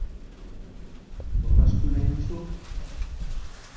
Jolastu nahi duzu?